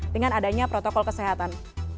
dengan adanya protokol kesehatan